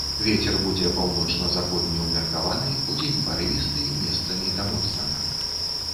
Вецер будзе паўночна-заходні ўмеркаваны, удзень парывісты, месцамі да моцнага.